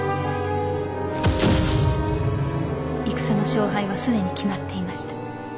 戦の勝敗は既に決まっていました。